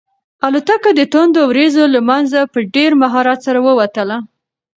الوتکه د توندو وریځو له منځه په ډېر مهارت سره ووتله.